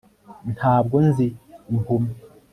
ntabwo nzi impumyi